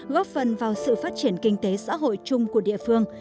góp phần vào sự phát triển kinh tế xã hội chung của địa phương